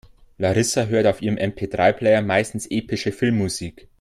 Larissa hört auf ihrem MP-drei-Player meistens epische Filmmusik.